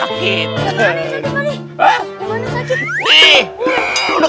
gak mau yang sakit pak dek